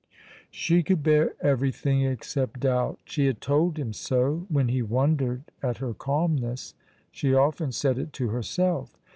She could bear everything except doubt. She had told him so, when he wondered at her calmness; she often said it to herself.